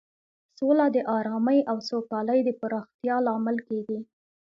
سوله د ارامۍ او سوکالۍ د پراختیا لامل کیږي.